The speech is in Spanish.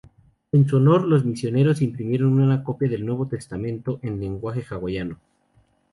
En su honor, los misioneros imprimieron una copia del Nuevo Testamento en lenguaje hawaiano.